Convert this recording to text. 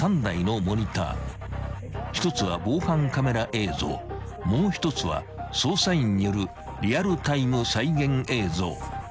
［１つは防犯カメラ映像もう１つは捜査員によるリアルタイム再現映像］